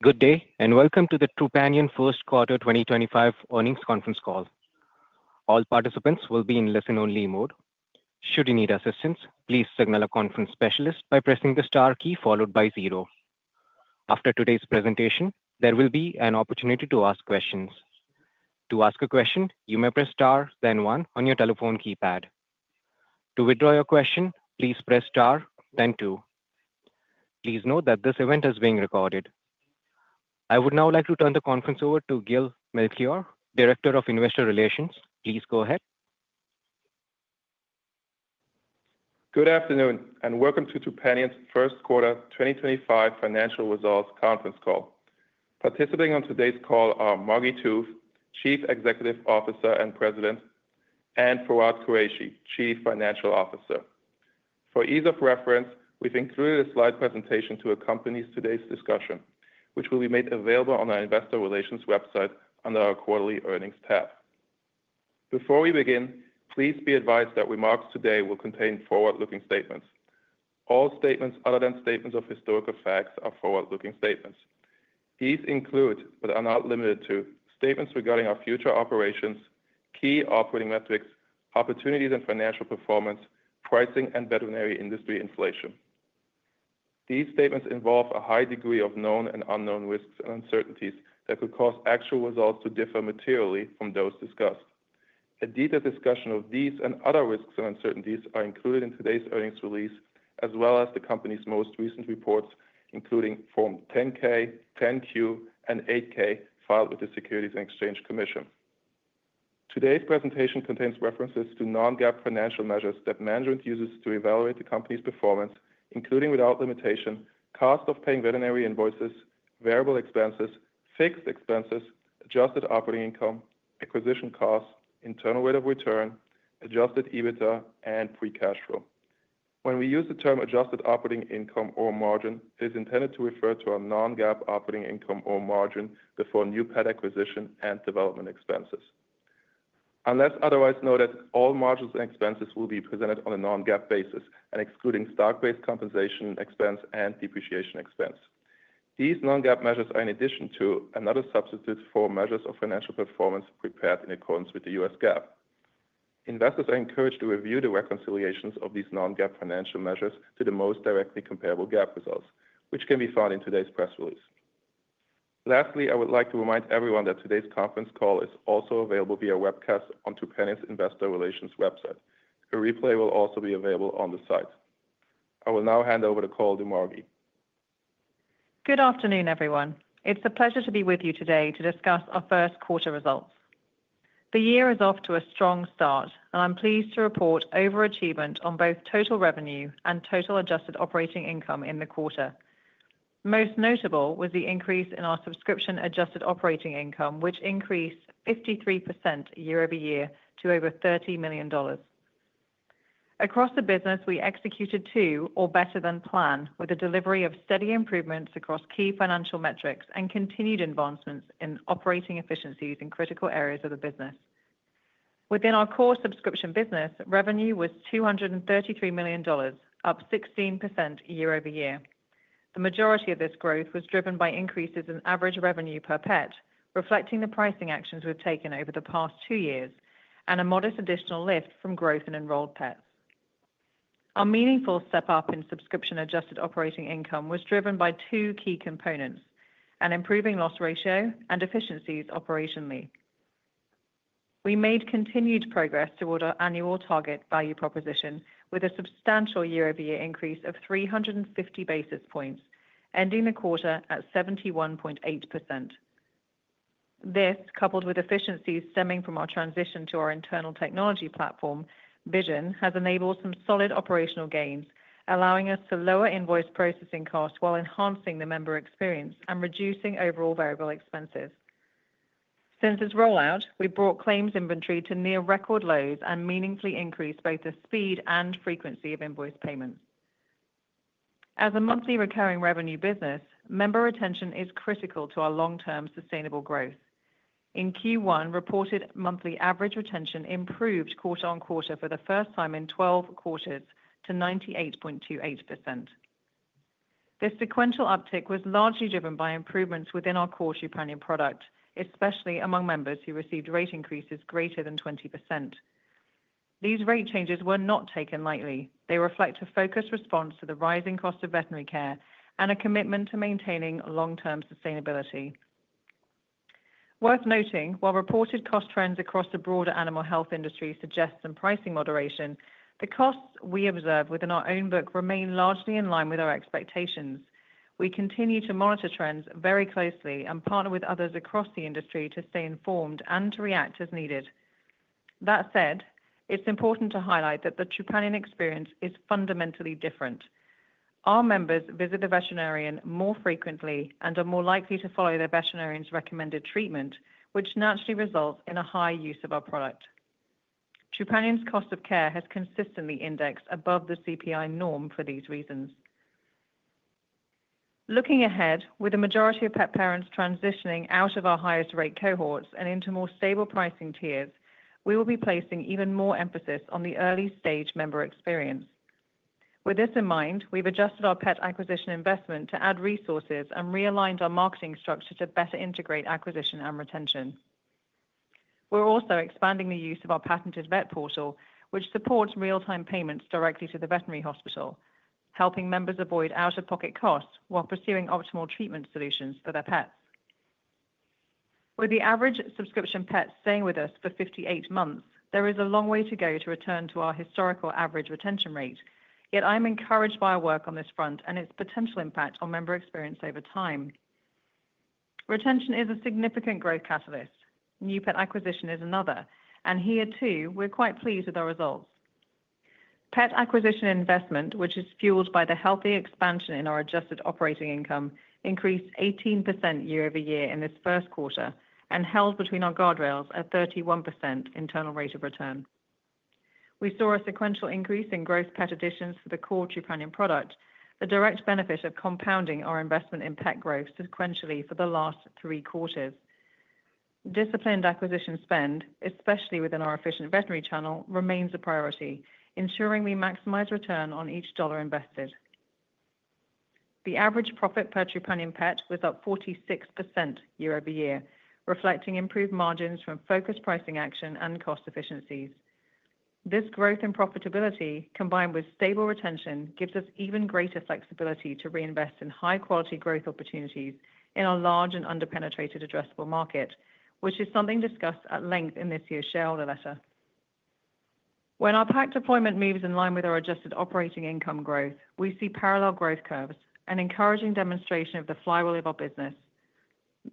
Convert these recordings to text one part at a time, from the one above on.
Good day, and welcome to the Trupanion First Quarter 2025 earnings conference call. All participants will be in listen-only mode. Should you need assistance, please signal a conference specialist by pressing the star key followed by zero. After today's presentation, there will be an opportunity to ask questions. To ask a question, you may press star, then one, on your telephone keypad. To withdraw your question, please press star, then two. Please note that this event is being recorded. I would now like to turn the conference over to Jill Melchior, Director of Investor Relations. Please go ahead. Good afternoon, and welcome to Trupanion's First Quarter 2025 financial results conference call. Participating on today's call are Margi Tooth, Chief Executive Officer and President, and Fawwad Qureshi, Chief Financial Officer. For ease of reference, we've included a slide presentation to accompany today's discussion, which will be made available on our Investor Relations website under our Quarterly Earnings tab. Before we begin, please be advised that remarks today will contain forward-looking statements. All statements other than statements of historical facts are forward-looking statements. These include, but are not limited to, statements regarding our future operations, key operating metrics, opportunities in financial performance, pricing, and veterinary industry inflation. These statements involve a high degree of known and unknown risks and uncertainties that could cause actual results to differ materially from those discussed. A detailed discussion of these and other risks and uncertainties is included in today's earnings release, as well as the company's most recent reports, including Form 10-K, 10-Q, and 8-K filed with the Securities and Exchange Commission. Today's presentation contains references to non-GAAP financial measures that management uses to evaluate the company's performance, including without limitation: cost of paying veterinary invoices, variable expenses, fixed expenses, adjusted operating income, acquisition costs, internal rate of return, adjusted EBITDA, and free cash flow. When we use the term adjusted operating income or margin, it is intended to refer to a non-GAAP operating income or margin before new pet acquisition and development expenses. Unless otherwise noted, all margins and expenses will be presented on a non-GAAP basis, excluding stock-based compensation expense and depreciation expense. These non-GAAP measures are in addition to and not a substitute for measures of financial performance prepared in accordance with U.S. GAAP. Investors are encouraged to review the reconciliations of these non-GAAP financial measures to the most directly comparable GAAP results, which can be found in today's press release. Lastly, I would like to remind everyone that today's conference call is also available via webcast on Trupanion's Investor Relations website. A replay will also be available on the site. I will now hand over the call to Margi. Good afternoon, everyone. It's a pleasure to be with you today to discuss our first quarter results. The year is off to a strong start, and I'm pleased to report overachievement on both total revenue and total adjusted operating income in the quarter. Most notable was the increase in our subscription adjusted operating income, which increased 53% year over year to over $30 million. Across the business, we executed to or better than planned, with a delivery of steady improvements across key financial metrics and continued advancements in operating efficiencies in critical areas of the business. Within our core subscription business, revenue was $233 million, up 16% year over year. The majority of this growth was driven by increases in average revenue per pet, reflecting the pricing actions we've taken over the past two years and a modest additional lift from growth in enrolled pets. Our meaningful step up in subscription adjusted operating income was driven by two key components: an improving loss ratio and efficiencies operationally. We made continued progress toward our annual target value proposition, with a substantial year-over-year increase of 350 basis points, ending the quarter at 71.8%. This, coupled with efficiencies stemming from our transition to our internal technology platform, Vision, has enabled some solid operational gains, allowing us to lower invoice processing costs while enhancing the member experience and reducing overall variable expenses. Since its rollout, we brought claims inventory to near record lows and meaningfully increased both the speed and frequency of invoice payments. As a monthly recurring revenue business, member retention is critical to our long-term sustainable growth. In Q1, reported monthly average retention improved quarter on quarter for the first time in 12 quarters to 98.28%. This sequential uptick was largely driven by improvements within our core Trupanion product, especially among members who received rate increases greater than 20%. These rate changes were not taken lightly. They reflect a focused response to the rising cost of veterinary care and a commitment to maintaining long-term sustainability. Worth noting, while reported cost trends across the broader animal health industry suggest some pricing moderation, the costs we observe within our own book remain largely in line with our expectations. We continue to monitor trends very closely and partner with others across the industry to stay informed and to react as needed. That said, it is important to highlight that the Trupanion experience is fundamentally different. Our members visit the veterinarian more frequently and are more likely to follow their veterinarian's recommended treatment, which naturally results in a high use of our product. Trupanion's cost of care has consistently indexed above the CPI norm for these reasons. Looking ahead, with the majority of pet parents transitioning out of our highest-rate cohorts and into more stable pricing tiers, we will be placing even more emphasis on the early-stage member experience. With this in mind, we've adjusted our pet acquisition investment to add resources and realigned our marketing structure to better integrate acquisition and retention. We're also expanding the use of our patented Vet Portal, which supports real-time payments directly to the veterinary hospital, helping members avoid out-of-pocket costs while pursuing optimal treatment solutions for their pets. With the average subscription pets staying with us for 58 months, there is a long way to go to return to our historical average retention rate. Yet I'm encouraged by our work on this front and its potential impact on member experience over time. Retention is a significant growth catalyst. New pet acquisition is another, and here, too, we're quite pleased with our results. Pet acquisition investment, which is fueled by the healthy expansion in our adjusted operating income, increased 18% year over year in this first quarter and held between our guardrails at 31% internal rate of return. We saw a sequential increase in gross pet additions for the core Trupanion product, the direct benefit of compounding our investment in pet growth sequentially for the last three quarters. Disciplined acquisition spend, especially within our efficient veterinary channel, remains a priority, ensuring we maximize return on each dollar invested. The average profit per Trupanion pet was up 46% year over year, reflecting improved margins from focused pricing action and cost efficiencies. This growth in profitability, combined with stable retention, gives us even greater flexibility to reinvest in high-quality growth opportunities in our large and under-penetrated addressable market, which is something discussed at length in this year's shareholder letter. When our pet deployment moves in line with our adjusted operating income growth, we see parallel growth curves and encouraging demonstration of the flywheel of our business.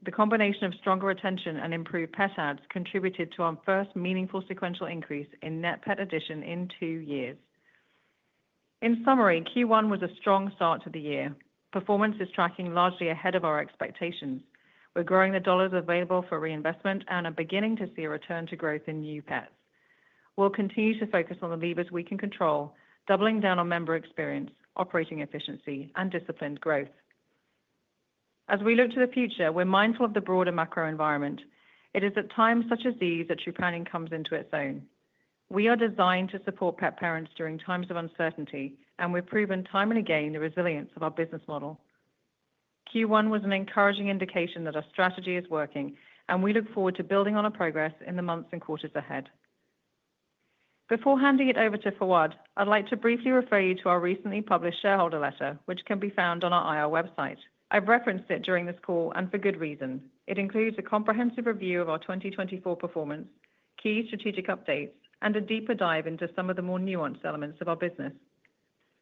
The combination of stronger retention and improved pet adds contributed to our first meaningful sequential increase in net pet addition in two years. In summary, Q1 was a strong start to the year. Performance is tracking largely ahead of our expectations. We're growing the dollars available for reinvestment and are beginning to see a return to growth in new pets. We'll continue to focus on the levers we can control, doubling down on member experience, operating efficiency, and disciplined growth. As we look to the future, we're mindful of the broader macro environment. It is at times such as these that Trupanion comes into its own. We are designed to support pet parents during times of uncertainty, and we've proven time and again the resilience of our business model. Q1 was an encouraging indication that our strategy is working, and we look forward to building on our progress in the months and quarters ahead. Before handing it over to Fawwad, I'd like to briefly refer you to our recently published shareholder letter, which can be found on our IR website. I've referenced it during this call, and for good reason. It includes a comprehensive review of our 2024 performance, key strategic updates, and a deeper dive into some of the more nuanced elements of our business.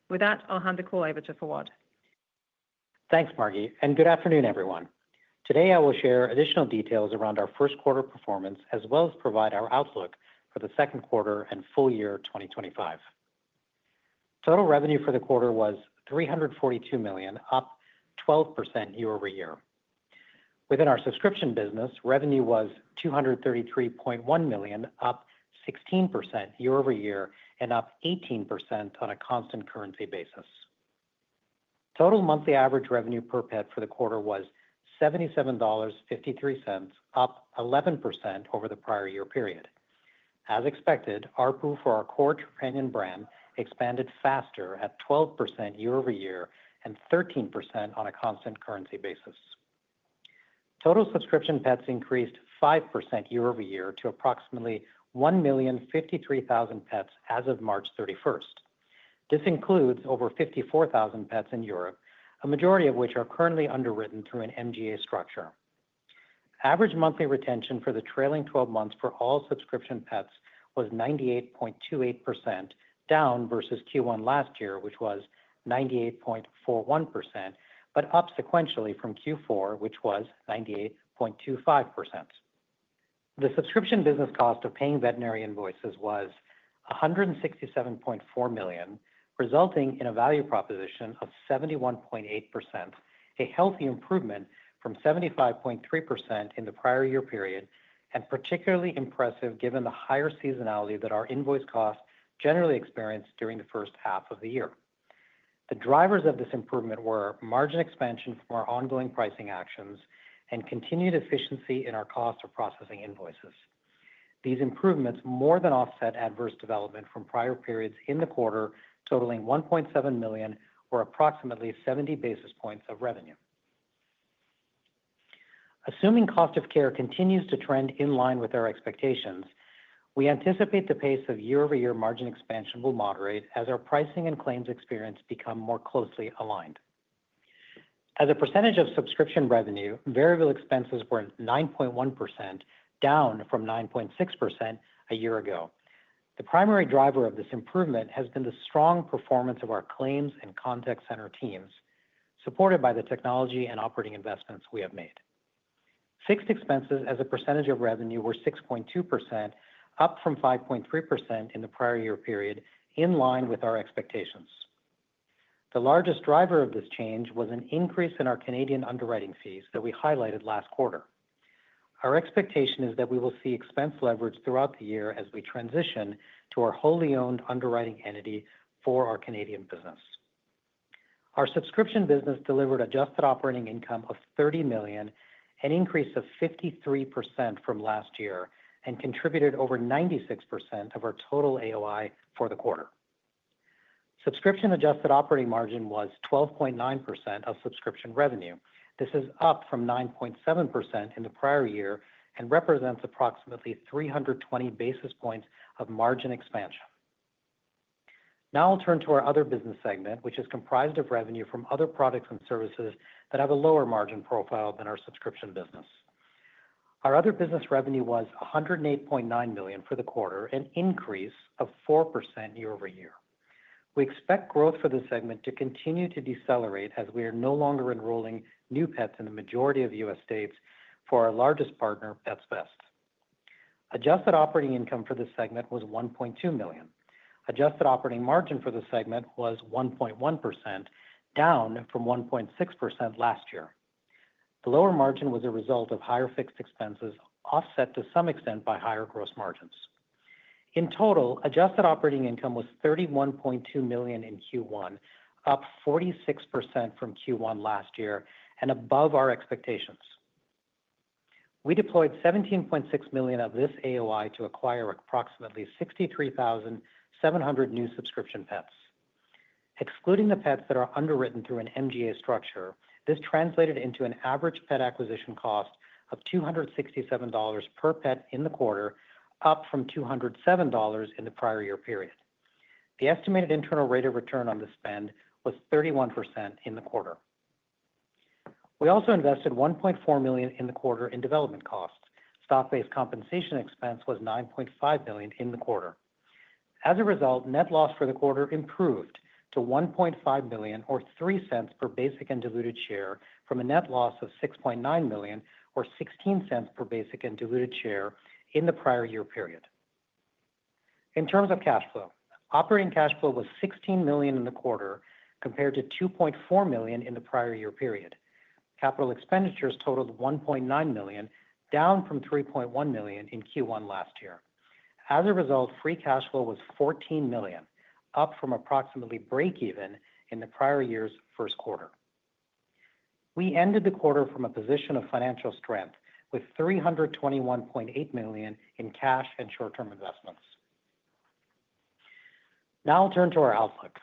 With that, I'll hand the call over to Fawwad. Thanks, Margi, and good afternoon, everyone. Today, I will share additional details around our first quarter performance, as well as provide our outlook for the second quarter and full year 2025. Total revenue for the quarter was $342 million, up 12% year over year. Within our subscription business, revenue was $233.1 million, up 16% year over year, and up 18% on a constant currency basis. Total monthly average revenue per pet for the quarter was $77.53, up 11% over the prior year period. As expected, our pool for our core Trupanion brand expanded faster at 12% year over year and 13% on a constant currency basis. Total subscription pets increased 5% year over year to approximately 1,053,000 pets as of March 31st. This includes over 54,000 pets in Europe, a majority of which are currently underwritten through an MGA structure. Average monthly retention for the trailing 12 months for all subscription pets was 98.28%, down versus Q1 last year, which was 98.41%, but up sequentially from Q4, which was 98.25%. The subscription business cost of paying veterinary invoices was $167.4 million, resulting in a value proposition of 71.8%, a healthy improvement from 75.3% in the prior year period, and particularly impressive given the higher seasonality that our invoice costs generally experienced during the first half of the year. The drivers of this improvement were margin expansion from our ongoing pricing actions and continued efficiency in our cost of processing invoices. These improvements more than offset adverse development from prior periods in the quarter, totaling $1.7 million, or approximately 70 basis points of revenue. Assuming cost of care continues to trend in line with our expectations, we anticipate the pace of year-over-year margin expansion will moderate as our pricing and claims experience become more closely aligned. As a percentage of subscription revenue, variable expenses were 9.1%, down from 9.6% a year ago. The primary driver of this improvement has been the strong performance of our claims and contact center teams, supported by the technology and operating investments we have made. Fixed expenses, as a percentage of revenue, were 6.2%, up from 5.3% in the prior year period, in line with our expectations. The largest driver of this change was an increase in our Canadian underwriting fees that we highlighted last quarter. Our expectation is that we will see expense leverage throughout the year as we transition to our wholly owned underwriting entity for our Canadian business. Our subscription business delivered adjusted operating income of $30 million, an increase of 53% from last year, and contributed over 96% of our total AOI for the quarter. Subscription adjusted operating margin was 12.9% of subscription revenue. This is up from 9.7% in the prior year and represents approximately 320 basis points of margin expansion. Now I'll turn to our other business segment, which is comprised of revenue from other products and services that have a lower margin profile than our subscription business. Our other business revenue was $108.9 million for the quarter, an increase of 4% year over year. We expect growth for this segment to continue to decelerate as we are no longer enrolling new pets in the majority of U.S. states for our largest partner, Pets Best. Adjusted operating income for this segment was $1.2 million. Adjusted operating margin for the segment was 1.1%, down from 1.6% last year. The lower margin was a result of higher fixed expenses, offset to some extent by higher gross margins. In total, adjusted operating income was $31.2 million in Q1, up 46% from Q1 last year and above our expectations. We deployed $17.6 million of this AOI to acquire approximately 63,700 new subscription pets. Excluding the pets that are underwritten through an MGA structure, this translated into an average pet acquisition cost of $267 per pet in the quarter, up from $207 in the prior year period. The estimated internal rate of return on this spend was 31% in the quarter. We also invested $1.4 million in the quarter in development costs. Stock-based compensation expense was $9.5 million in the quarter. As a result, net loss for the quarter improved to $1.5 million, or $0.03 per basic and diluted share, from a net loss of $6.9 million, or $0.16 per basic and diluted share in the prior year period. In terms of cash flow, operating cash flow was $16 million in the quarter, compared to $2.4 million in the prior year period. Capital expenditures totaled $1.9 million, down from $3.1 million in Q1 last year. As a result, free cash flow was $14 million, up from approximately break-even in the prior year's first quarter. We ended the quarter from a position of financial strength, with $321.8 million in cash and short-term investments. Now I'll turn to our outlook.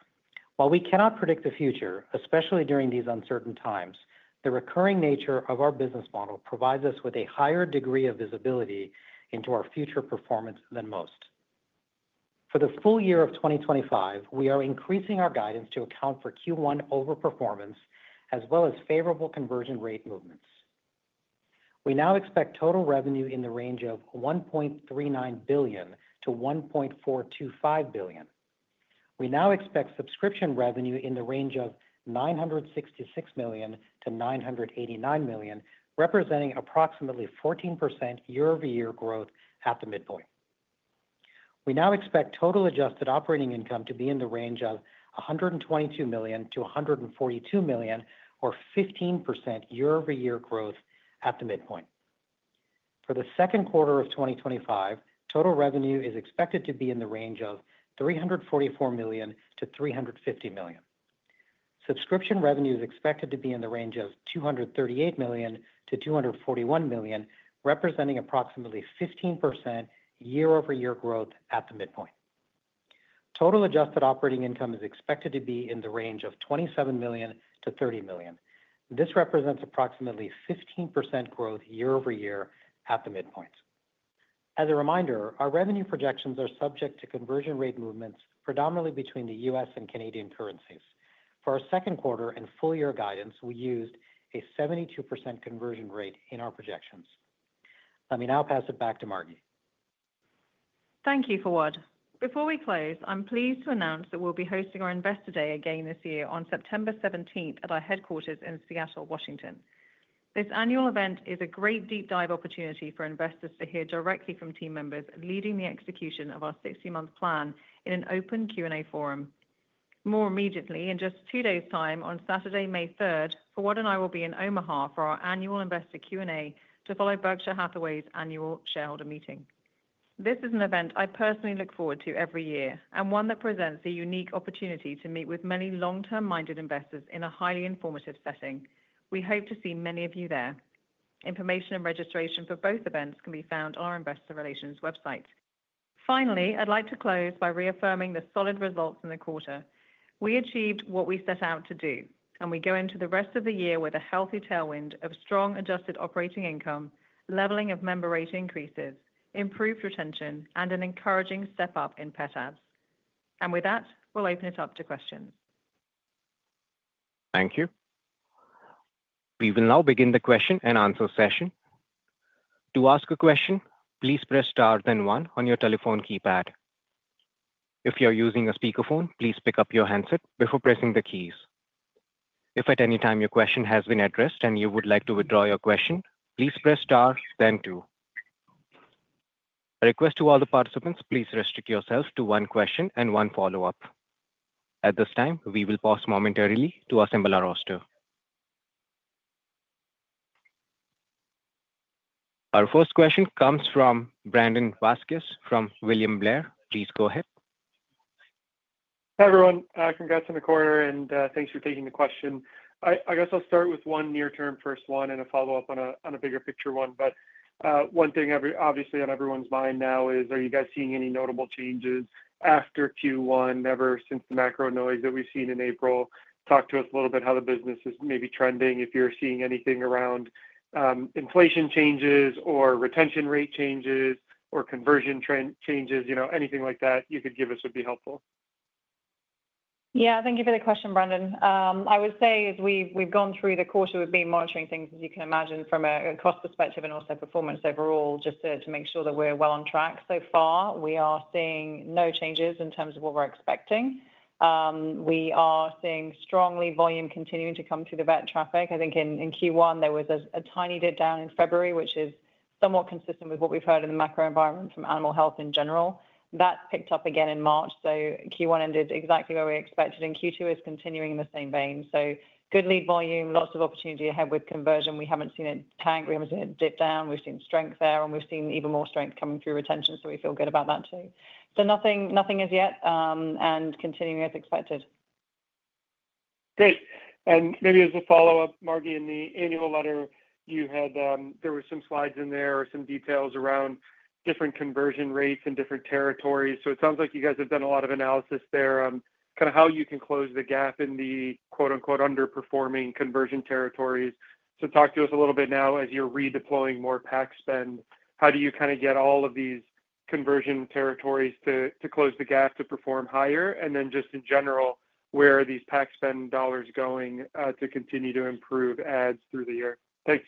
While we cannot predict the future, especially during these uncertain times, the recurring nature of our business model provides us with a higher degree of visibility into our future performance than most. For the full year of 2025, we are increasing our guidance to account for Q1 overperformance as well as favorable conversion rate movements. We now expect total revenue in the range of $1.39 billion-$1.425 billion. We now expect subscription revenue in the range of $966 million-$989 million, representing approximately 14% year-over-year growth at the midpoint. We now expect total adjusted operating income to be in the range of $122 million-$142 million, or 15% year-over-year growth at the midpoint. For the second quarter of 2025, total revenue is expected to be in the range of $344 million-$350 million. Subscription revenue is expected to be in the range of $238 million-$241 million, representing approximately 15% year-over-year growth at the midpoint. Total adjusted operating income is expected to be in the range of $27 million-$30 million. This represents approximately 15% growth year-over-year at the midpoint. As a reminder, our revenue projections are subject to conversion rate movements, predominantly between the U.S. and Canadian currencies. For our second quarter and full-year guidance, we used a 72% conversion rate in our projections. Let me now pass it back to Margi. Thank you, Fawwad. Before we close, I'm pleased to announce that we'll be hosting our Investor Day again this year on September 17 at our headquarters in Seattle, Washington. This annual event is a great deep-dive opportunity for investors to hear directly from team members leading the execution of our 60-month plan in an open Q&A forum. More immediately, in just two days' time, on Saturday, May 3, Fawwad and I will be in Omaha for our annual investor Q&A to follow Berkshire Hathaway's annual shareholder meeting. This is an event I personally look forward to every year and one that presents a unique opportunity to meet with many long-term-minded investors in a highly informative setting. We hope to see many of you there. Information and registration for both events can be found on our investor relations website. Finally, I'd like to close by reaffirming the solid results in the quarter. We achieved what we set out to do, and we go into the rest of the year with a healthy tailwind of strong adjusted operating income, leveling of member rate increases, improved retention, and an encouraging step-up in pet adds. With that, we'll open it up to questions. Thank you. We will now begin the question and answer session. To ask a question, please press * then 1 on your telephone keypad. If you're using a speakerphone, please pick up your handset before pressing the keys. If at any time your question has been addressed and you would like to withdraw your question, please press * then 2. A request to all the participants, please restrict yourself to one question and one follow-up. At this time, we will pause momentarily to assemble our roster. Our first question comes from Brandon Vazquez from William Blair. Please go ahead. Hi, everyone. Congrats on the quarter, and thanks for taking the question. I guess I'll start with one near-term first one and a follow-up on a bigger picture one. One thing, obviously, on everyone's mind now is, are you guys seeing any notable changes after Q1 ever since the macro noise that we've seen in April? Talk to us a little bit how the business is maybe trending. If you're seeing anything around inflation changes or retention rate changes or conversion changes, you know, anything like that, you could give us would be helpful. Yeah, thank you for the question, Brandon. I would say, as we've gone through the quarter, we've been monitoring things, as you can imagine, from a cost perspective and also performance overall, just to make sure that we're well on track. So far, we are seeing no changes in terms of what we're expecting. We are seeing strong volume continuing to come through the vet traffic. I think in Q1, there was a tiny dip down in February, which is somewhat consistent with what we've heard in the macro environment from animal health in general. That's picked up again in March. Q1 ended exactly where we expected, and Q2 is continuing in the same vein. Good lead volume, lots of opportunity ahead with conversion. We haven't seen it tank. We haven't seen it dip down. We've seen strength there, and we've seen even more strength coming through retention. We feel good about that too. Nothing as yet, and continuing as expected. Great. Maybe as a follow-up, Margi, in the annual letter, you had, there were some slides in there or some details around different conversion rates in different territories. It sounds like you guys have done a lot of analysis there, kind of how you can close the gap in the "underperforming" conversion territories. Talk to us a little bit now, as you're redeploying more PAC spend, how do you kind of get all of these conversion territories to close the gap to perform higher? Just in general, where are these PAC spend dollars going to continue to improve ads through the year? Thanks.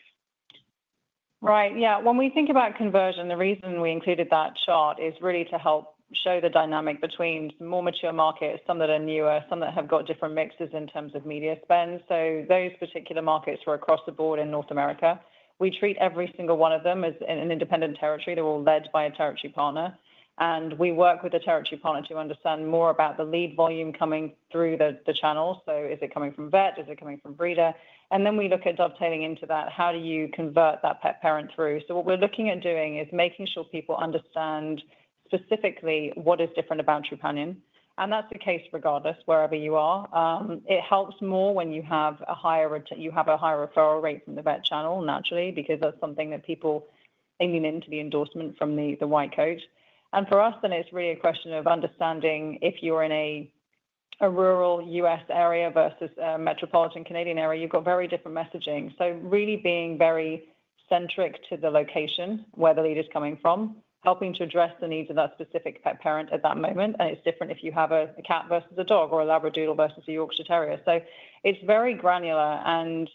Right. Yeah. When we think about conversion, the reason we included that chart is really to help show the dynamic between more mature markets, some that are newer, some that have got different mixes in terms of media spend. Those particular markets were across the board in North America. We treat every single one of them as an independent territory. They are all led by a territory partner. We work with a territory partner to understand more about the lead volume coming through the channel. Is it coming from vet? Is it coming from breeder? We look at dovetailing into that. How do you convert that pet parent through? What we are looking at doing is making sure people understand specifically what is different about Trupanion. That is the case regardless, wherever you are. It helps more when you have a higher referral rate from the vet channel, naturally, because that's something that people aiming into the endorsement from the white coat. For us, then it's really a question of understanding if you're in a rural U.S. area versus a metropolitan Canadian area, you've got very different messaging. Really being very centric to the location where the lead is coming from, helping to address the needs of that specific pet parent at that moment. It's different if you have a cat versus a dog or a Labradoodle versus a Yorkshire Terrier. It's very granular, and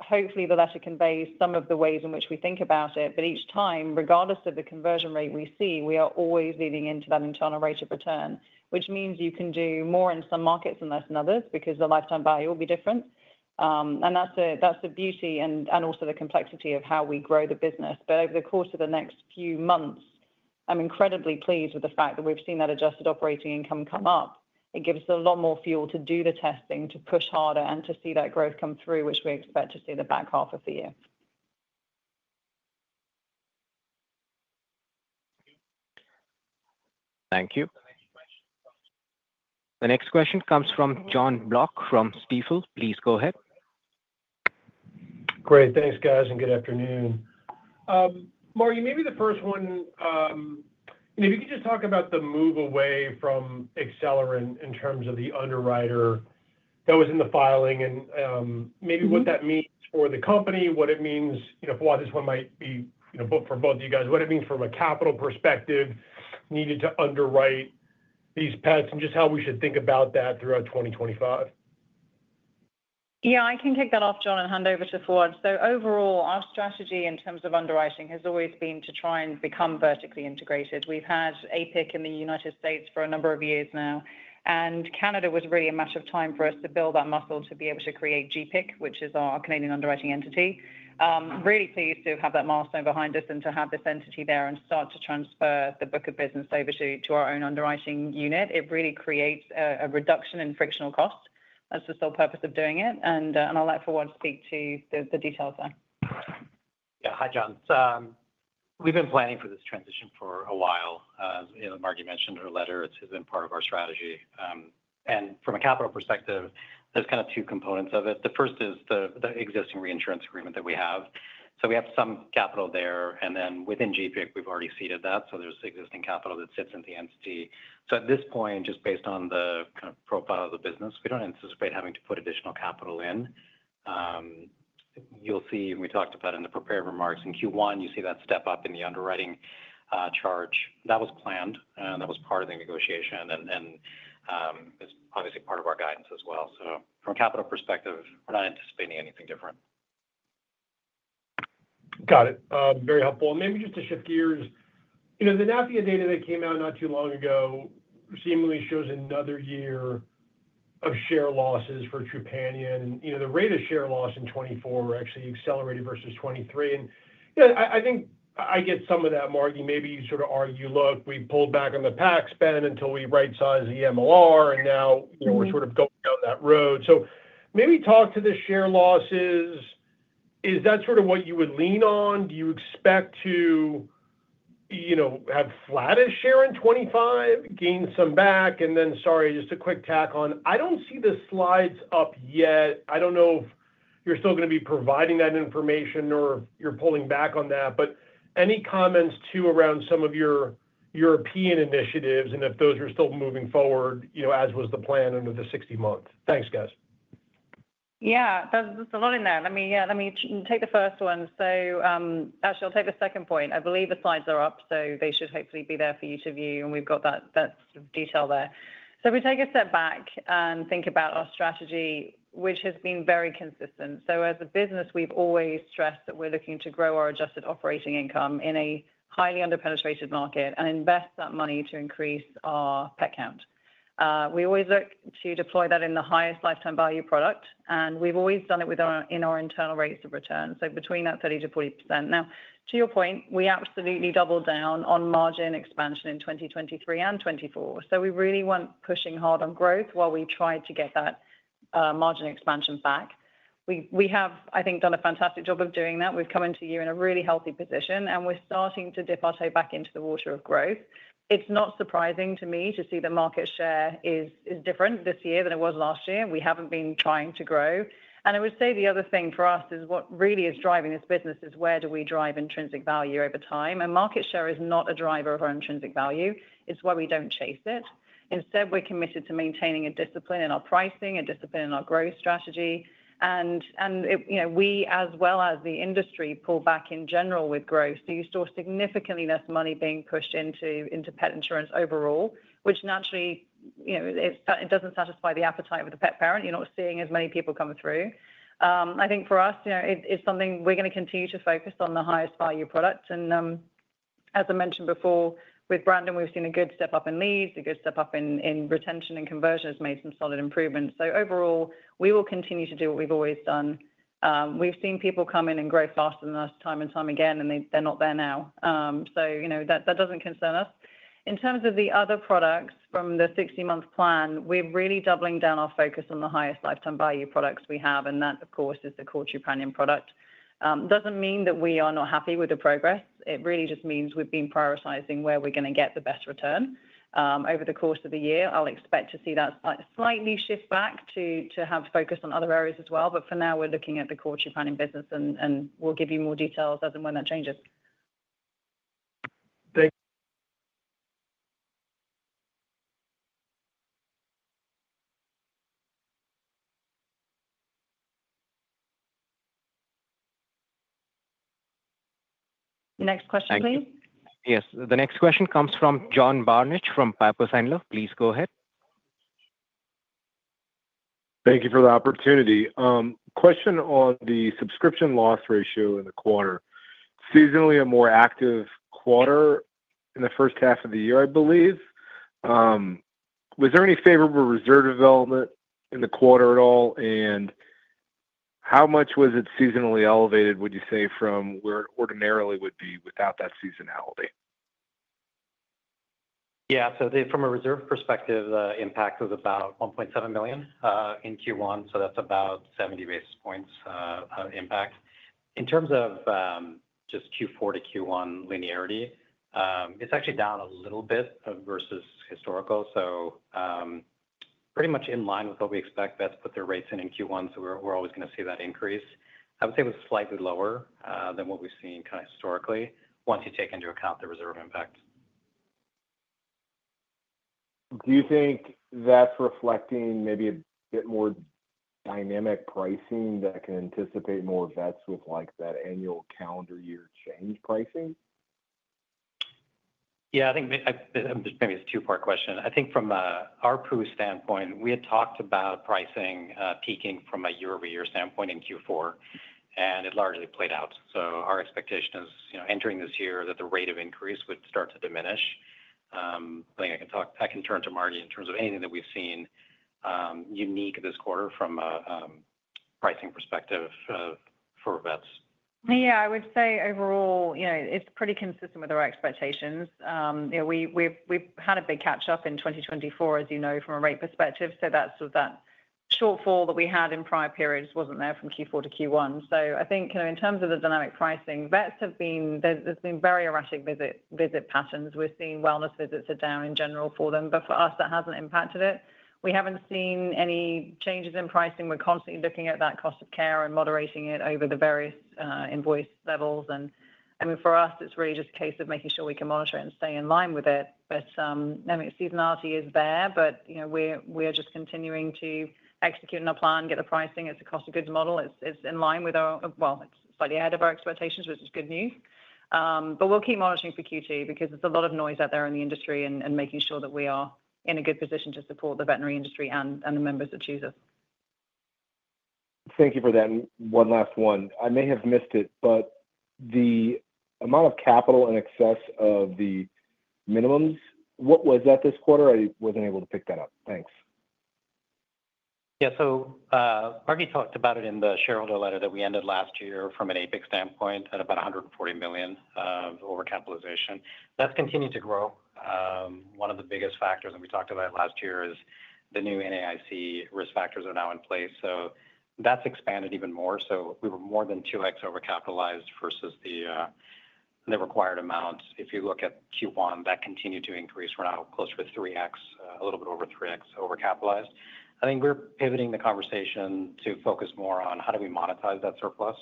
hopefully the letter conveys some of the ways in which we think about it. Each time, regardless of the conversion rate we see, we are always leading into that internal rate of return, which means you can do more in some markets and less in others because the lifetime value will be different. That is the beauty and also the complexity of how we grow the business. Over the course of the next few months, I'm incredibly pleased with the fact that we've seen that adjusted operating income come up. It gives us a lot more fuel to do the testing, to push harder, and to see that growth come through, which we expect to see the back half of the year. Thank you. The next question comes from John Block from Stifel. Please go ahead. Great. Thanks, guys, and good afternoon. Margi, maybe the first one, if you could just talk about the move away from Accelerant in terms of the underwriter that was in the filing and maybe what that means for the company, what it means, why this one might be for both of you guys, what it means from a capital perspective needed to underwrite these pets and just how we should think about that throughout 2025. Yeah, I can kick that off, John, and hand over to Fawwad. Overall, our strategy in terms of underwriting has always been to try and become vertically integrated. We've had APIC in the U.S. for a number of years now. Canada was really a matter of time for us to build that muscle to be able to create CPIC, which is our Canadian underwriting entity. Really pleased to have that milestone behind us and to have this entity there and start to transfer the book of business over to our own underwriting unit. It really creates a reduction in frictional cost. That's the sole purpose of doing it. I'll let Fawwad speak to the details there. Yeah. Hi, John. We've been planning for this transition for a while. As Margi mentioned in her letter, it has been part of our strategy. From a capital perspective, there's kind of two components of it. The first is the existing reinsurance agreement that we have. We have some capital there. Within CPIC, we've already seeded that. There's existing capital that sits in the entity. At this point, just based on the kind of profile of the business, we don't anticipate having to put additional capital in. You'll see, and we talked about in the prepared remarks, in Q1, you see that step up in the underwriting charge. That was planned, and that was part of the negotiation and is obviously part of our guidance as well. From a capital perspective, we're not anticipating anything different. Got it. Very helpful. Maybe just to shift gears, the NAIC data that came out not too long ago seemingly shows another year of share losses for Trupanion. The rate of share loss in 2024 actually accelerated versus 2023. I think I get some of that, Margi. Maybe you sort of argue, "Look, we pulled back on the PAC spend until we right-sized the MLR, and now we're sort of going down that road." Maybe talk to the share losses. Is that sort of what you would lean on? Do you expect to have flat as share in 2025, gain some back? Sorry, just a quick tack on, I do not see the slides up yet. I do not know if you're still going to be providing that information or if you're pulling back on that. Any comments too around some of your European initiatives and if those are still moving forward as was the plan under the 60 month? Thanks, guys. Yeah, there's a lot in there. Let me take the first one. Actually, I'll take the second point. I believe the slides are up, so they should hopefully be there for you to view. We've got that detail there. If we take a step back and think about our strategy, which has been very consistent. As a business, we've always stressed that we're looking to grow our adjusted operating income in a highly underpenetrated market and invest that money to increase our pet count. We always look to deploy that in the highest lifetime value product. We've always done it in our internal rates of return, so between that 30-40%. Now, to your point, we absolutely doubled down on margin expansion in 2023 and 2024. We really weren't pushing hard on growth while we tried to get that margin expansion back. We have, I think, done a fantastic job of doing that. We've come into you in a really healthy position, and we're starting to dip our toe back into the water of growth. It's not surprising to me to see that market share is different this year than it was last year. We haven't been trying to grow. I would say the other thing for us is what really is driving this business is where do we drive intrinsic value over time. Market share is not a driver of our intrinsic value. It's why we don't chase it. Instead, we're committed to maintaining a discipline in our pricing, a discipline in our growth strategy. We, as well as the industry, pull back in general with growth. You store significantly less money being pushed into pet insurance overall, which naturally does not satisfy the appetite of the pet parent. You're not seeing as many people come through. I think for us, it's something we're going to continue to focus on the highest value product. As I mentioned before, with Brandon, we've seen a good step up in leads, a good step up in retention, and conversion has made some solid improvements. Overall, we will continue to do what we've always done. We've seen people come in and grow faster than us time and time again, and they're not there now. That does not concern us. In terms of the other products from the 60-month plan, we're really doubling down our focus on the highest lifetime value products we have. That, of course, is the core Trupanion product. Doesn't mean that we are not happy with the progress. It really just means we've been prioritizing where we're going to get the best return over the course of the year. I expect to see that slightly shift back to have focus on other areas as well. For now, we're looking at the core Trupanion business, and we'll give you more details as and when that changes. Thank you. Next question, please. Yes. The next question comes from John Barnidge from Piper Sandler. Please go ahead. Thank you for the opportunity. Question on the subscription loss ratio in the quarter. Seasonally, a more active quarter in the first half of the year, I believe. Was there any favorable reserve development in the quarter at all? How much was it seasonally elevated, would you say, from where it ordinarily would be without that seasonality? Yeah. From a reserve perspective, the impact was about $1.7 million in Q1. That is about 70 basis points of impact. In terms of just Q4 to Q1 linearity, it is actually down a little bit versus historical. Pretty much in line with what we expect. Vets put their rates in in Q1. We are always going to see that increase. I would say it was slightly lower than what we have seen kind of historically once you take into account the reserve impact. Do you think that's reflecting maybe a bit more dynamic pricing that can anticipate more vets with that annual calendar year change pricing? Yeah, I think maybe it's a two-part question. I think from our pool standpoint, we had talked about pricing peaking from a year-over-year standpoint in Q4, and it largely played out. Our expectation is entering this year that the rate of increase would start to diminish. I think I can turn to Margi in terms of anything that we've seen unique this quarter from a pricing perspective for vets. Yeah, I would say overall, it's pretty consistent with our expectations. We've had a big catch-up in 2024, as you know, from a rate perspective. That shortfall that we had in prior periods wasn't there from Q4 to Q1. I think in terms of the dynamic pricing, vets have been—there's been very erratic visit patterns. We're seeing wellness visits are down in general for them. For us, that hasn't impacted it. We haven't seen any changes in pricing. We're constantly looking at that cost of care and moderating it over the various invoice levels. For us, it's really just a case of making sure we can monitor it and stay in line with it. Seasonality is there, but we are just continuing to execute on our plan, get the pricing. It's a cost-of-goods model. is in line with our—well, it is slightly ahead of our expectations, which is good news. We will keep monitoring for Q2 because there is a lot of noise out there in the industry and making sure that we are in a good position to support the veterinary industry and the members that choose us. Thank you for that. One last one. I may have missed it, but the amount of capital in excess of the minimums, what was that this quarter? I wasn't able to pick that up. Thanks. Yeah. Margi talked about it in the shareholder letter that we ended last year from an APIC standpoint at about $140 million of overcapitalization. That has continued to grow. One of the biggest factors that we talked about last year is the new NAIC risk factors are now in place. That has expanded even more. We were more than 2x overcapitalized versus the required amount. If you look at Q1, that continued to increase. We are now close to a 3x, a little bit over 3x overcapitalized. I think we are pivoting the conversation to focus more on how do we monetize that surplus.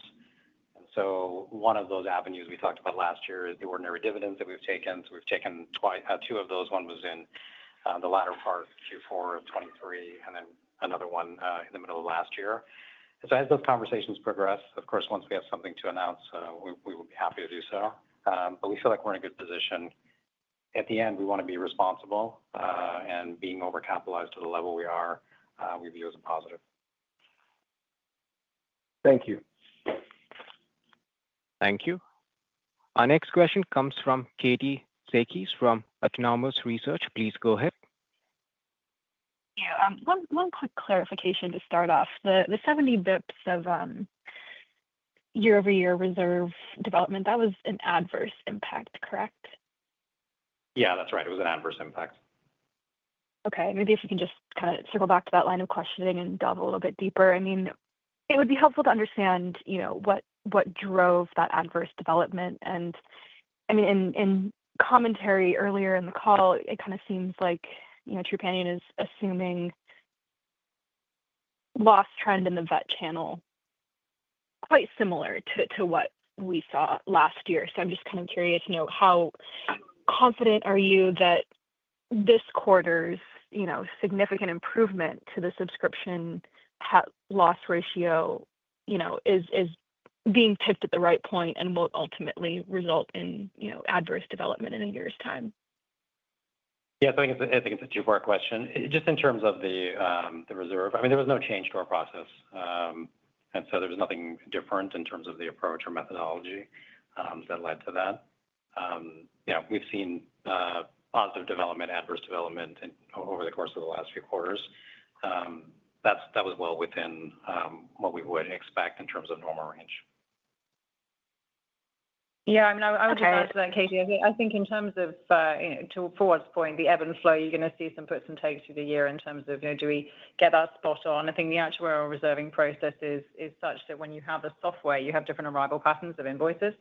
One of those avenues we talked about last year is the ordinary dividends that we have taken. We have taken two of those. One was in the latter part of Q4 of 2023, and then another one in the middle of last year. As those conversations progress, of course, once we have something to announce, we will be happy to do so. We feel like we're in a good position. At the end, we want to be responsible, and being overcapitalized to the level we are, we view as a positive. Thank you. Thank you. Our next question comes from Katie Sakys from Autonomous Research. Please go ahead. Yeah. One quick clarification to start off. The 70 basis points of year-over-year reserve development, that was an adverse impact, correct? Yeah, that's right. It was an adverse impact. Okay. Maybe if we can just kind of circle back to that line of questioning and delve a little bit deeper. I mean, it would be helpful to understand what drove that adverse development. I mean, in commentary earlier in the call, it kind of seems like Trupanion is assuming loss trend in the vet channel, quite similar to what we saw last year. I am just kind of curious to know how confident are you that this quarter's significant improvement to the subscription loss ratio is being tipped at the right point and will ultimately result in adverse development in a year's time? Yeah. I think it's a two-part question. Just in terms of the reserve, I mean, there was no change to our process. There was nothing different in terms of the approach or methodology that led to that. Yeah, we've seen positive development, adverse development over the course of the last few quarters. That was well within what we would expect in terms of normal range. Yeah. I mean, I would just add to that, Katie. I think in terms of, to Fawwad's point, the ebb and flow, you're going to see some puts and takes through the year in terms of do we get that spot on. I think the actual reserving process is such that when you have the software, you have different arrival patterns of invoices.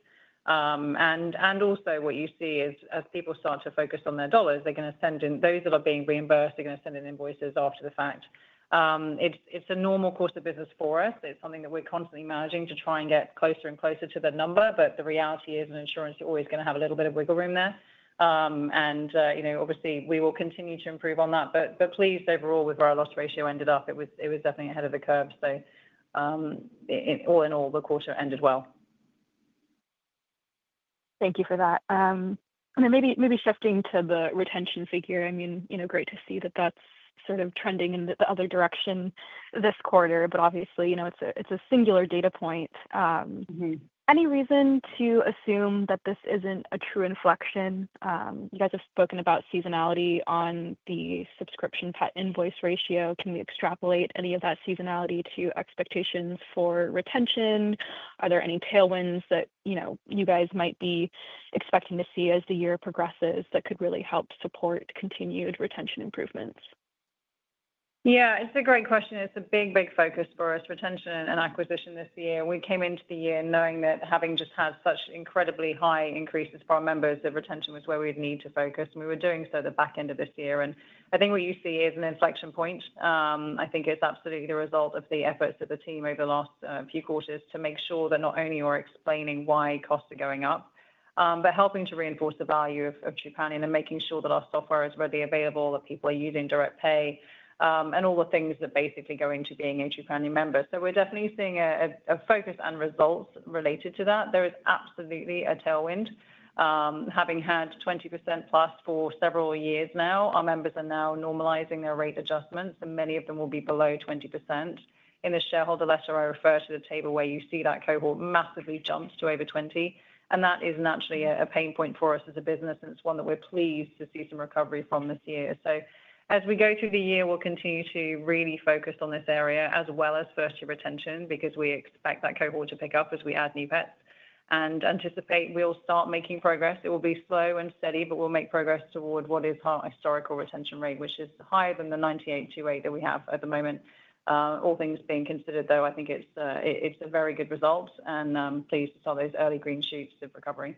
Also, what you see is as people start to focus on their dollars, they're going to send in those that are being reimbursed, they're going to send in invoices after the fact. It's a normal course of business for us. It's something that we're constantly managing to try and get closer and closer to the number. The reality is in insurance, you're always going to have a little bit of wiggle room there. Obviously, we will continue to improve on that. Pleased, overall, with where our loss ratio ended up. It was definitely ahead of the curve. All in all, the quarter ended well. Thank you for that. Maybe shifting to the retention figure. I mean, great to see that that's sort of trending in the other direction this quarter. Obviously, it's a singular data point. Any reason to assume that this isn't a true inflection? You guys have spoken about seasonality on the subscription pet invoice ratio. Can we extrapolate any of that seasonality to expectations for retention? Are there any tailwinds that you guys might be expecting to see as the year progresses that could really help support continued retention improvements? Yeah. It's a great question. It's a big, big focus for us, retention and acquisition this year. We came into the year knowing that having just had such incredibly high increases for our members, retention was where we'd need to focus. We were doing so at the back end of this year. I think what you see is an inflection point. I think it's absolutely the result of the efforts of the team over the last few quarters to make sure that not only are we explaining why costs are going up, but helping to reinforce the value of Trupanion and making sure that our software is readily available, that people are using direct pay, and all the things that basically go into being a Trupanion member. We're definitely seeing a focus and results related to that. There is absolutely a tailwind. Having had 20% plus for several years now, our members are now normalizing their rate adjustments, and many of them will be below 20%. In the shareholder letter, I refer to the table where you see that cohort massively jumped to over 20. That is naturally a pain point for us as a business, and it's one that we're pleased to see some recovery from this year. As we go through the year, we'll continue to really focus on this area as well as first-year retention because we expect that cohort to pick up as we add new pets. We anticipate we'll start making progress. It will be slow and steady, but we'll make progress toward what is our historical retention rate, which is higher than the 98.28% that we have at the moment. All things being considered, though, I think it's a very good result. Pleased to see all those early green shoots of recovery.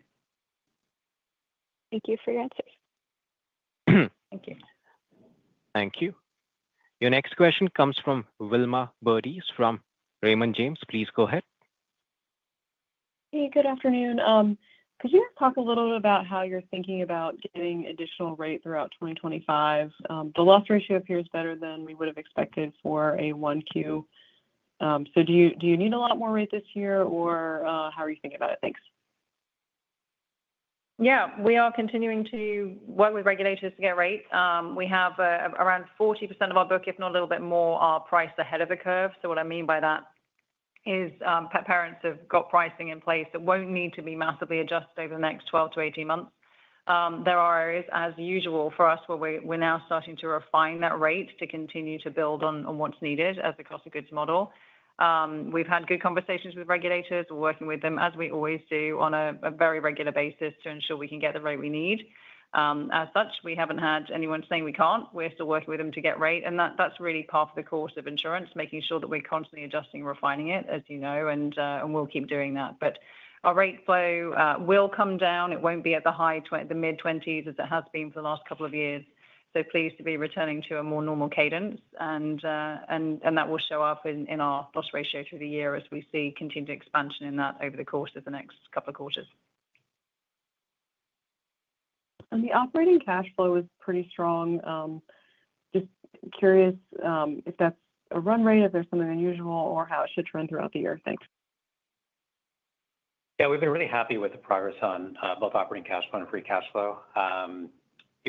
Thank you for your answers. Thank you. Thank you. Your next question comes from Wilma Burdis from Raymond James. Please go ahead. Hey, good afternoon. Could you talk a little bit about how you're thinking about getting additional rate throughout 2025? The loss ratio appears better than we would have expected for a Q1. Do you need a lot more rate this year, or how are you thinking about it? Thanks. Yeah. We are continuing to work with regulators to get rate. We have around 40% of our book, if not a little bit more, are priced ahead of the curve. What I mean by that is pet parents have got pricing in place that will not need to be massively adjusted over the next 12-18 months. There are areas, as usual for us, where we are now starting to refine that rate to continue to build on what is needed as a cost-of-goods model. We have had good conversations with regulators. We are working with them, as we always do, on a very regular basis to ensure we can get the rate we need. As such, we have not had anyone saying we cannot. We are still working with them to get rate. That is really part of the course of insurance, making sure that we are constantly adjusting and refining it, as you know, and we will keep doing that. Our rate flow will come down. It will not be at the mid-20% as it has been for the last couple of years. Pleased to be returning to a more normal cadence. That will show up in our loss ratio through the year as we see continued expansion in that over the course of the next couple of quarters. The operating cash flow was pretty strong. Just curious if that's a run rate, if there's something unusual, or how it should trend throughout the year. Thanks. Yeah. We've been really happy with the progress on both operating cash flow and free cash flow.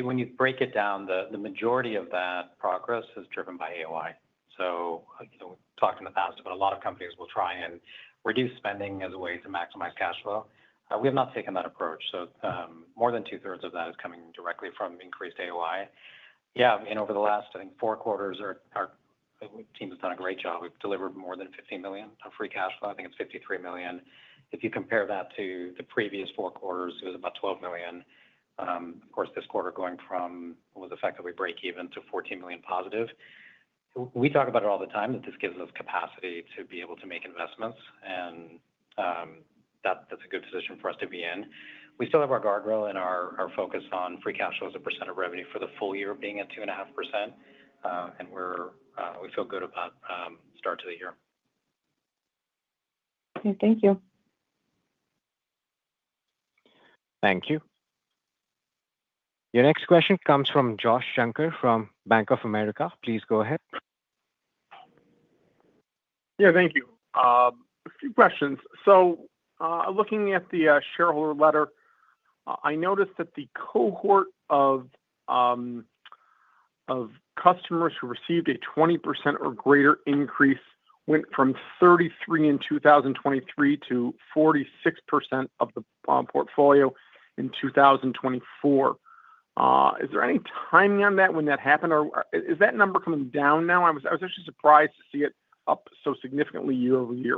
When you break it down, the majority of that progress is driven by AOI. We've talked in the past, but a lot of companies will try and reduce spending as a way to maximize cash flow. We have not taken that approach. More than two-thirds of that is coming directly from increased AOI. Yeah. Over the last, I think, four quarters, our team has done a great job. We've delivered more than $15 million of free cash flow. I think it's $53 million. If you compare that to the previous four quarters, it was about $12 million. Of course, this quarter going from what was effectively break-even to $14 million positive. We talk about it all the time that this gives us capacity to be able to make investments. That is a good position for us to be in. We still have our guardrail and our focus on free cash flow as a percent of revenue for the full year of being at 2.5%. We feel good about the start to the year. Okay. Thank you. Thank you. Your next question comes from Josh Shanker from Bank of America. Please go ahead. Yeah. Thank you. A few questions. Looking at the shareholder letter, I noticed that the cohort of customers who received a 20% or greater increase went from 33% in 2023 to 46% of the portfolio in 2024. Is there any timing on that when that happened? Is that number coming down now? I was actually surprised to see it up so significantly year over year.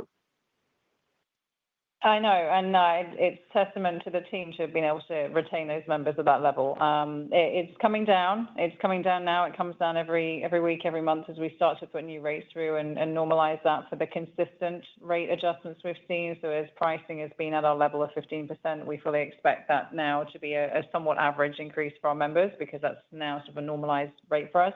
I know. It is testament to the team to have been able to retain those members at that level. It is coming down. It is coming down now. It comes down every week, every month as we start to put new rates through and normalize that for the consistent rate adjustments we have seen. As pricing has been at our level of 15%, we fully expect that now to be a somewhat average increase for our members because that is now sort of a normalized rate for us.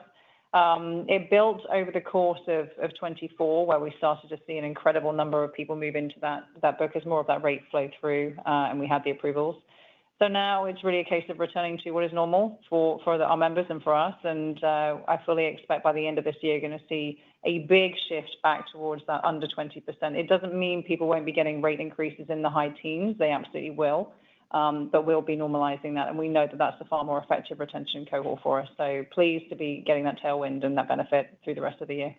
It built over the course of 2024 where we started to see an incredible number of people move into that book as more of that rate flowed through, and we had the approvals. Now it is really a case of returning to what is normal for our members and for us. I fully expect by the end of this year, you're going to see a big shift back towards that under 20%. It doesn't mean people won't be getting rate increases in the high teens. They absolutely will. We will be normalizing that. We know that that's a far more effective retention cohort for us. Pleased to be getting that tailwind and that benefit through the rest of the year.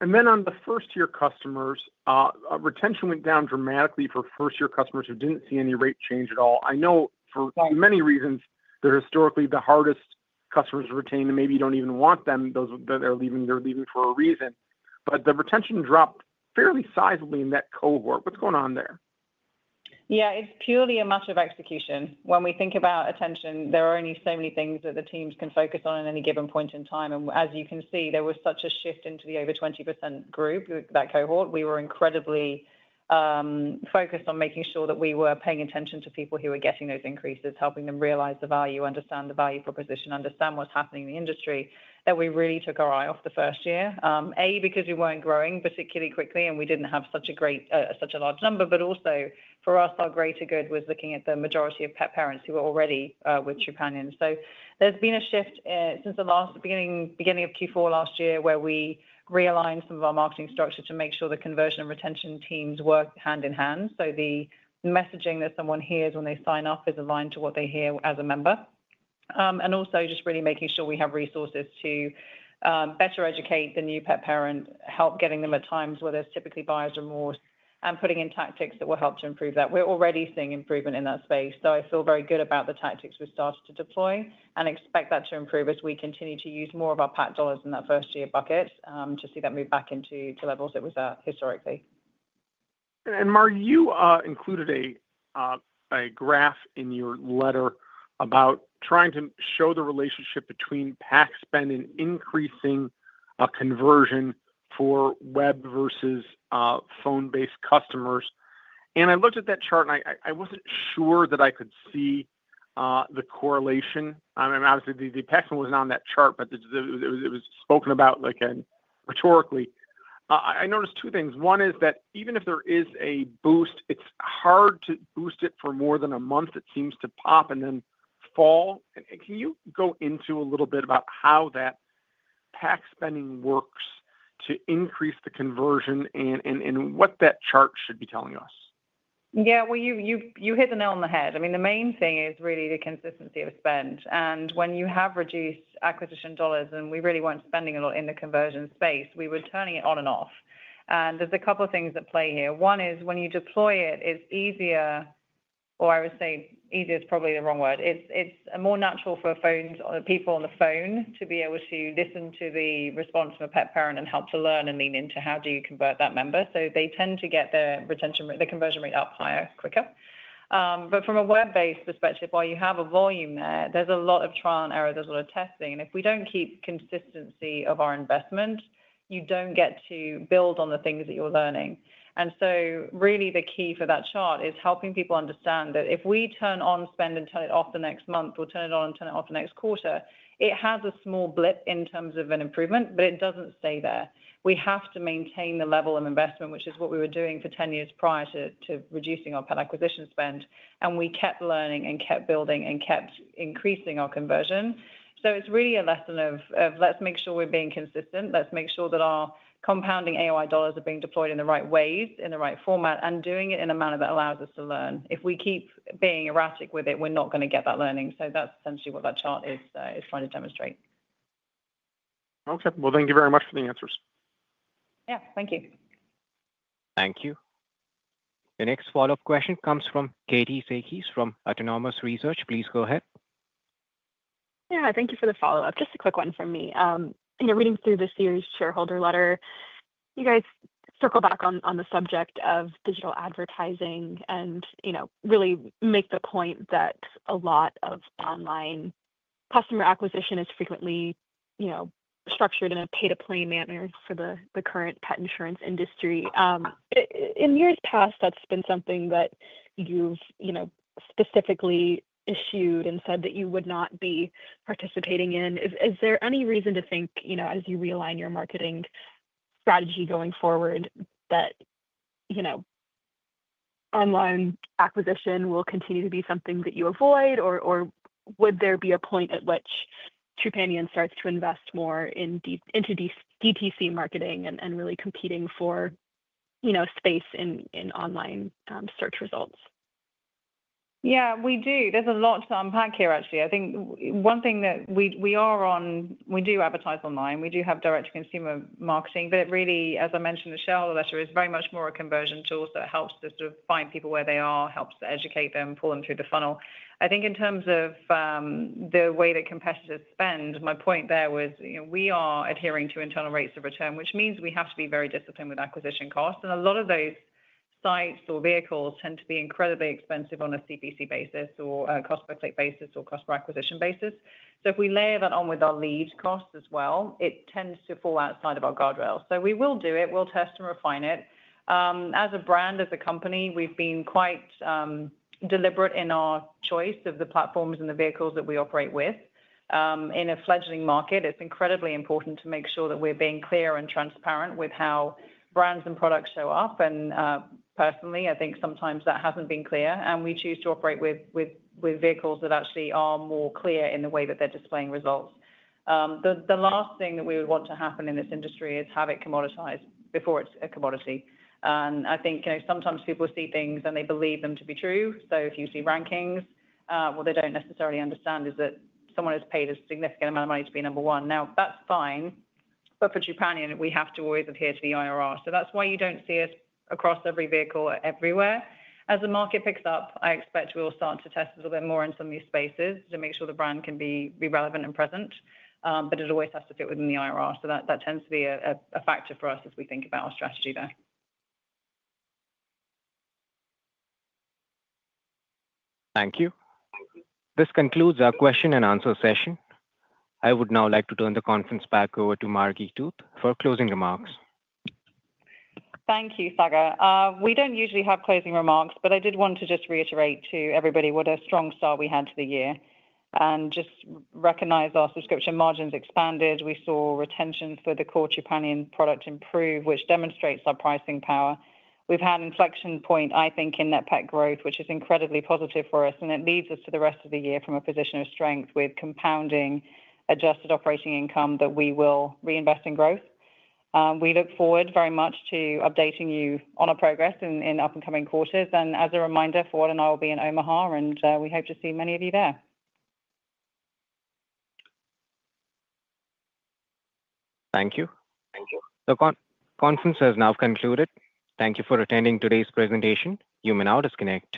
On the first-year customers, retention went down dramatically for first-year customers who did not see any rate change at all. I know for many reasons, they are historically the hardest customers to retain, and maybe you do not even want them. They are leaving for a reason. The retention dropped fairly sizably in that cohort. What is going on there? Yeah. It's purely a matter of execution. When we think about attention, there are only so many things that the teams can focus on at any given point in time. As you can see, there was such a shift into the over 20% group, that cohort. We were incredibly focused on making sure that we were paying attention to people who were getting those increases, helping them realize the value, understand the value proposition, understand what's happening in the industry that we really took our eye off the first year. A, because we weren't growing particularly quickly, and we didn't have such a large number. Also, for us, our greater good was looking at the majority of pet parents who were already with Trupanion. There has been a shift since the beginning of Q4 last year where we realigned some of our marketing structure to make sure the conversion and retention teams work hand in hand. The messaging that someone hears when they sign up is aligned to what they hear as a member. Also, just really making sure we have resources to better educate the new pet parent, help getting them at times where there is typically buyer's remorse, and putting in tactics that will help to improve that. We are already seeing improvement in that space. I feel very good about the tactics we have started to deploy and expect that to improve as we continue to use more of our PAC dollars in that first-year bucket to see that move back into levels it was at historically. Margi, you included a graph in your letter about trying to show the relationship between PAC spend and increasing conversion for web versus phone-based customers. I looked at that chart, and I was not sure that I could see the correlation. I mean, obviously, the PAC spend was not on that chart, but it was spoken about rhetorically. I noticed two things. One is that even if there is a boost, it is hard to boost it for more than a month. It seems to pop and then fall. Can you go into a little bit about how that PAC spending works to increase the conversion and what that chart should be telling us? Yeah. You hit the nail on the head. I mean, the main thing is really the consistency of spend. When you have reduced acquisition dollars and we really were not spending a lot in the conversion space, we were turning it on and off. There are a couple of things at play here. One is when you deploy it, it is easier, or I would say easier is probably the wrong word. It is more natural for people on the phone to be able to listen to the response of a pet parent and help to learn and lean into how do you convert that member. They tend to get their conversion rate up higher quicker. From a web-based perspective, while you have a volume there, there is a lot of trial and error. There is a lot of testing. If we do not keep consistency of our investment, you do not get to build on the things that you are learning. Really the key for that chart is helping people understand that if we turn on spend and turn it off the next month, we will turn it on and turn it off the next quarter, it has a small blip in terms of an improvement, but it does not stay there. We have to maintain the level of investment, which is what we were doing for 10 years prior to reducing our pet acquisition spend. We kept learning and kept building and kept increasing our conversion. It is really a lesson of, let us make sure we are being consistent. Let us make sure that our compounding AOI dollars are being deployed in the right ways, in the right format, and doing it in a manner that allows us to learn. If we keep being erratic with it, we're not going to get that learning. That is essentially what that chart is trying to demonstrate. Okay. Thank you very much for the answers. Yeah, thank you. Thank you. The next follow-up question comes from Katie Sakys from Autonomous Research. Please go ahead. Yeah. Thank you for the follow-up. Just a quick one from me. Reading through this year's shareholder letter, you guys circle back on the subject of digital advertising and really make the point that a lot of online customer acquisition is frequently structured in a pay-to-play manner for the current pet insurance industry. In years past, that's been something that you've specifically eschewed and said that you would not be participating in. Is there any reason to think, as you realign your marketing strategy going forward, that online acquisition will continue to be something that you avoid? Or would there be a point at which Trupanion starts to invest more into DTC marketing and really competing for space in online search results? Yeah. We do. There's a lot to unpack here, actually. I think one thing that we are on, we do advertise online. We do have direct-to-consumer marketing. It really, as I mentioned in the shareholder letter, is very much more a conversion tool that helps to sort of find people where they are, helps to educate them, pull them through the funnel. I think in terms of the way that competitors spend, my point there was we are adhering to internal rates of return, which means we have to be very disciplined with acquisition costs. A lot of those sites or vehicles tend to be incredibly expensive on a CPC basis or a cost-per-click basis or cost-per-acquisition basis. If we layer that on with our lead costs as well, it tends to fall outside of our guardrail. We will do it. We'll test and refine it. As a brand, as a company, we've been quite deliberate in our choice of the platforms and the vehicles that we operate with. In a fledgling market, it's incredibly important to make sure that we're being clear and transparent with how brands and products show up. Personally, I think sometimes that hasn't been clear. We choose to operate with vehicles that actually are more clear in the way that they're displaying results. The last thing that we would want to happen in this industry is have it commoditized before it's a commodity. I think sometimes people see things and they believe them to be true. If you see rankings, what they don't necessarily understand is that someone has paid a significant amount of money to be number one. That's fine. For Trupanion, we have to always adhere to the IRR. That is why you do not see us across every vehicle everywhere. As the market picks up, I expect we will start to test a little bit more in some of these spaces to make sure the brand can be relevant and present. It always has to fit within the IRR. That tends to be a factor for us as we think about our strategy there. Thank you. This concludes our question and answer session. I would now like to turn the conference back over to Margi Tooth for closing remarks. Thank you, Saga. We do not usually have closing remarks, but I did want to just reiterate to everybody what a strong start we had to the year and just recognize our subscription margins expanded. We saw retention for the core Trupanion product improve, which demonstrates our pricing power. We have had an inflection point, I think, in net pet growth, which is incredibly positive for us. It leads us to the rest of the year from a position of strength with compounding adjusted operating income that we will reinvest in growth. We look forward very much to updating you on our progress in up-and-coming quarters. As a reminder, Fawwad and I will be in Omaha, and we hope to see many of you there. Thank you. Thank you. The conference has now concluded. Thank you for attending today's presentation. You may now disconnect.